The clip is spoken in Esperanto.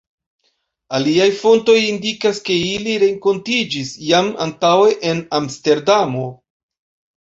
Aliaj fontoj indikas, ke ili renkontiĝis jam antaŭe en Amsterdamo.